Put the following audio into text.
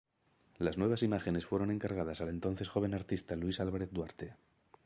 Las nuevas imágenes fueron encargadas al entonces joven artista Luis Álvarez Duarte.